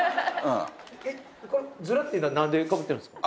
ヅラっていうのは何でかぶってるんですか？